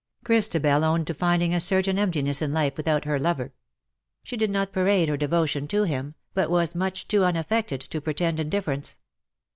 Christabel owned to finding a certain emptiness in life without her lover. She did not parade her devotion to him, but was much too unafi*ected to pretend indifference.